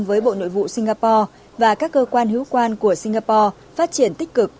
với bộ nội vụ singapore và các cơ quan hữu quan của singapore phát triển tích cực